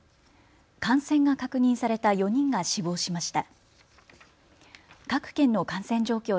感染が確認された４人が死亡しました。